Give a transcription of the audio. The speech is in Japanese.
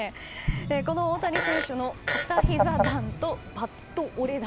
この大谷選手の片ひざ弾とバット折れ弾。